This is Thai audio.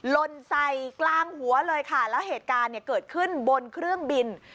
ลนใส่กลางหัวเลยค่ะแล้วเหตุการณ์เนี่ยเกิดขึ้นบนเครื่องบิน